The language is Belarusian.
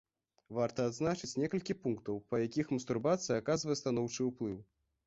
Варта адзначыць некалькі пунктаў, па якіх мастурбацыя аказвае станоўчы ўплыў.